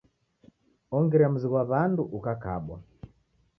Wongiria mzi ghwa W'andu ukakabwa.